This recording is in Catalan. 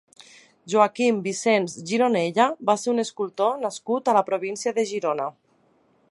Joaquim Vicens Gironella va ser un escultor nascut a la província de Girona.